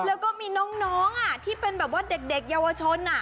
แล้วก็มีน้องที่เป็นแบบว่าเด็กเยาวชน